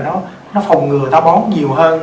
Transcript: nó phòng ngừa táo bón nhiều hơn